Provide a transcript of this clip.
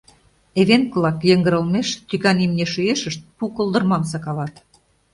Эвенк-влак йыҥгыр олмеш «тӱкан имне» шӱешышт пу колдырмам сакалат.